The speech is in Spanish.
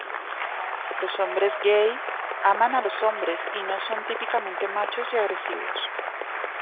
Los hombres gay aman a los hombres y no son típicamente machos y agresivos.